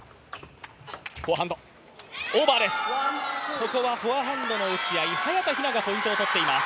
ここはフォアハンドの打ち合い、早田ひながポイントを取っています。